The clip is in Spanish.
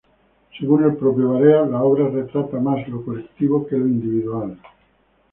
Según el propio Barea, la obra retrata más lo colectivo que lo individual.